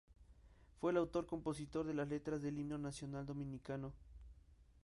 Fue el autor y compositor de las letras del Himno Nacional Dominicano.